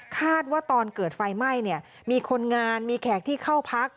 ว่าตอนเกิดไฟไหม้มีคนงานมีแขกที่เข้าพัก